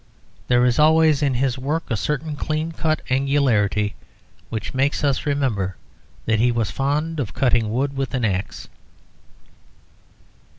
There is always in his work a certain clean cut angularity which makes us remember that he was fond of cutting wood with an axe.